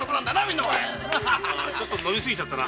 ちょっと飲みすぎちゃったな。